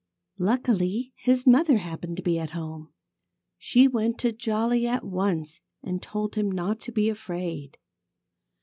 Luckily, his mother happened to be at home. She went to Jolly at once and told him not to be afraid.